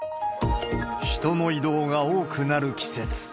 人の移動が多くなる季節。